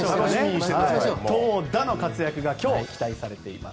投打の活躍が今日期待されています